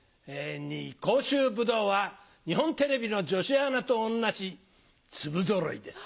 甲州ぶどうは日本テレビの女子アナと同じ粒ぞろいです。